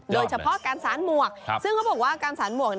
โดยเฉพาะการสารหมวกซึ่งเขาบอกว่าการสารหมวก